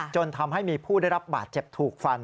จนทำให้มีผู้ได้รับบาดเจ็บถูกฟัน